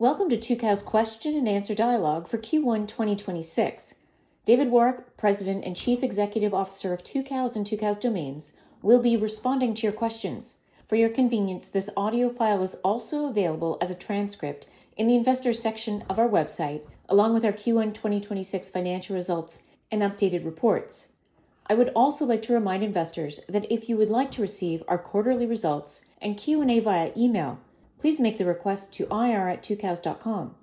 Welcome to Tucows question and answer dialogue for Q1 2026. David Woroch, President and Chief Executive Officer of Tucows and Tucows Domains, will be responding to your questions. For your convenience, this audio file is also available as a transcript in the investors section of our website, along with our Q1 2026 financial results and updated reports. I would also like to remind investors that if you would like to receive our quarterly results and Q&A via email, please make the request to ir@tucows.com.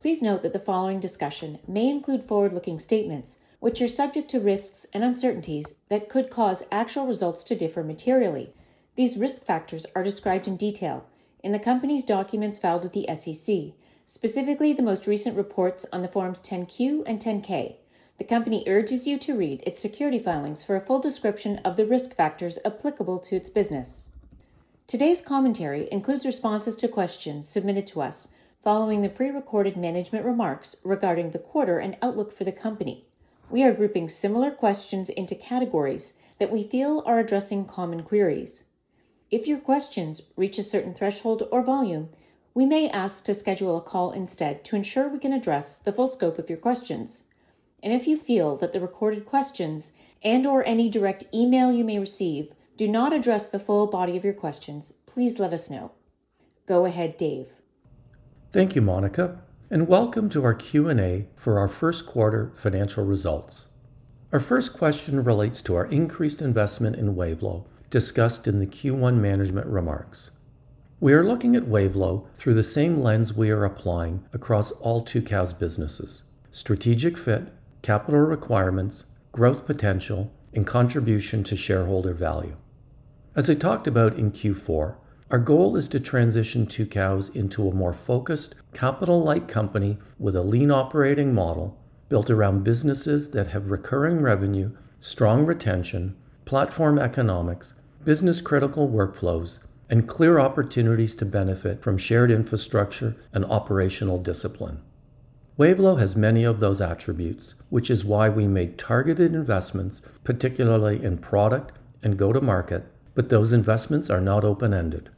Please note that the following discussion may include forward-looking statements, which are subject to risks and uncertainties that could cause actual results to differ materially. These risk factors are described in detail in the company's documents filed with the SEC, specifically the most recent reports on the forms 10-Q and 10-K. The company urges you to read its security filings for a full description of the risk factors applicable to its business. Today's commentary includes responses to questions submitted to us following the prerecorded management remarks regarding the quarter and outlook for the company. We are grouping similar questions into categories that we feel are addressing common queries. If your questions reach a certain threshold or volume, we may ask to schedule a call instead to ensure we can address the full scope of your questions. If you feel that the recorded questions and/or any direct email you may receive do not address the full body of your questions, please let us know. Go ahead, Dave. Thank you, Monica, and welcome to our Q&A for our first quarter financial results. Our first question relates to our increased investment in Wavelo, discussed in the Q1 management remarks. We are looking at Wavelo through the same lens we are applying across all Tucows businesses, strategic fit, capital requirements, growth potential, and contribution to shareholder value. As I talked about in Q4, our goal is to transition Tucows into a more focused capital-light company with a lean operating model built around businesses that have recurring revenue, strong retention, platform economics, business-critical workflows, and clear opportunities to benefit from shared infrastructure and operational discipline. Wavelo has many of those attributes, which is why we made targeted investments, particularly in product and go-to-market, but those investments are not open-ended.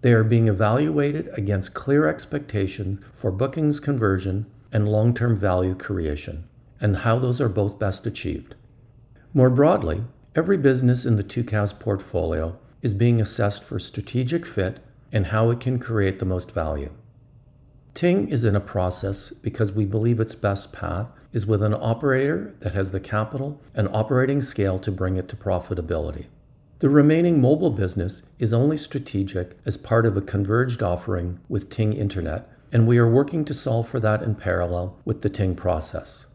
They are being evaluated against clear expectations for bookings conversion and long-term value creation, and how those are both best achieved. More broadly, every business in the Tucows portfolio is being assessed for strategic fit and how it can create the most value. Ting is in a process because we believe its best path is with an operator that has the capital and operating scale to bring it to profitability. The remaining mobile business is only strategic as part of a converged offering with Ting Internet, and we are working to solve for that in parallel with the Ting process.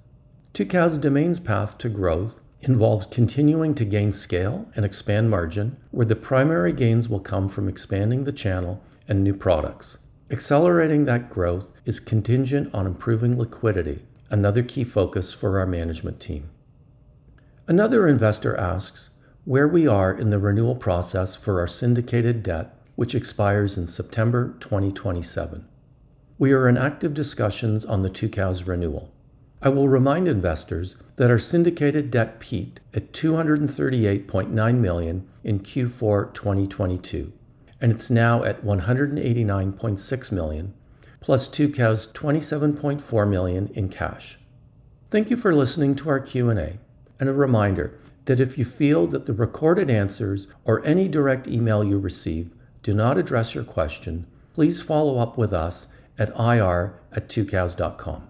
Tucows Domains' path to growth involves continuing to gain scale and expand margin, where the primary gains will come from expanding the channel and new products. Accelerating that growth is contingent on improving liquidity, another key focus for our management team. Another investor asks where we are in the renewal process for our syndicated debt, which expires in September 2027. We are in active discussions on the Tucows renewal. I will remind investors that our syndicated debt peaked at $238.9 million in Q4 2022, and it's now at $189.6 million, plus Tucows $27.4 million in cash. Thank you for listening to our Q&A. A reminder that if you feel that the recorded answers or any direct email you receive do not address your question, please follow up with us at ir@tucows.com.